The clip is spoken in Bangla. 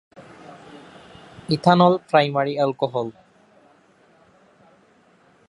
Ethanol primary alcohol.